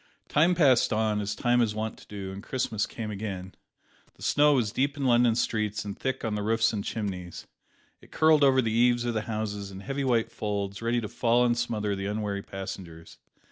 Time passed on, as time is wont to do, and Christmas came again. The snow was deep in London streets and thick on the roofs and chimneys. It curled over the eaves of the houses in heavy white folds ready to fall and smother the unwary passengers.